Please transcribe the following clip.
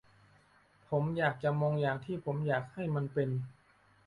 ผมอยากจะมองอย่างที่ผมอยากให้มันเป็น ?